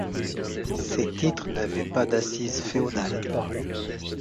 Ces titres n'avaient pas d'assise féodale.